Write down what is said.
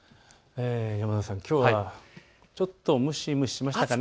山田さん、きょうはちょっと蒸し蒸ししましたかね。